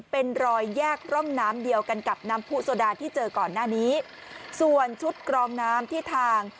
เป็นรอยแยกร่องน้ำเดียวกันกับน้ำผู้โซดาที่เจอก่อนหน้านี้ส่วนชุดกรองน้ำที่ทาง